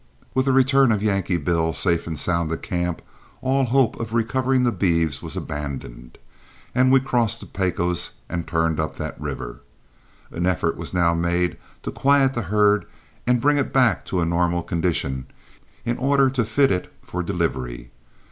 With the return of Yankee Bill safe and sound to camp, all hope of recovering the beeves was abandoned, and we crossed the Pecos and turned up that river. An effort was now made to quiet the herd and bring it back to a normal condition, in order to fit it for delivery.